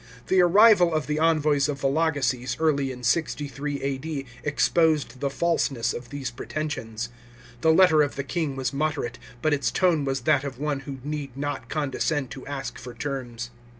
The arrival of the envoys of Vologeses early in 63 A.D. exposed the falseness of these pretensions. The letter of the king was moderate, but its tone was that of one who need not condescend to ask for terms.